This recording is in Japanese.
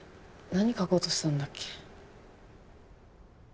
何描こうとしてたんだっけ？